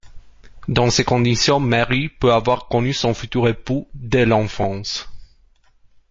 Dans ces conditions, Mary peut avoir connu son futur époux dès l'enfance.